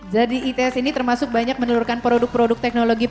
jadi its ini termasuk banyak menelurkan produk produk teknologi